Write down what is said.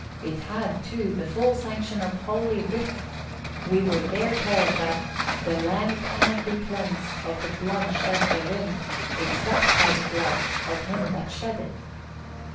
It had, too, the full sanction of Holy Writ; we were there told that "the land cannot be cleansed of the blood shed therein, except by the blood of him that shed it."